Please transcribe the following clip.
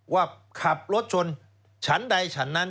ว่าขับรถชนฉันใดฉันนั้น